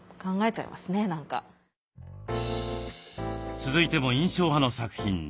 続いても印象派の作品。